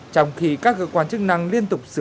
trong khi các cơ quan chức năng liên tục sửa